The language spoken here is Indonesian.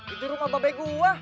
itu rumah babai gua